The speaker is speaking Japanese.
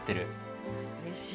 うれしい。